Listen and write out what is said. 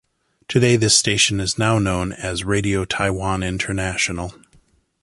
Today, this station is now known as Radio Taiwan International.